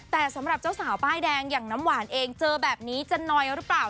แต่สำหรับเจ้าสาวป้ายแดงอย่างน้ำหวานเองเจอแบบนี้จะนอยหรือเปล่า